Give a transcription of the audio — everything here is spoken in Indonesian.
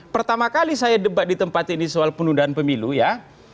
pertama kali saya debat di tempat ini soal penundaan pemilu ya